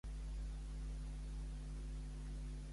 Finalment té el bebè?